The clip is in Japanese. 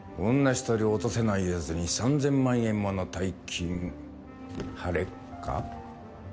一人落とせないやつに３０００万円もの大金張れっか？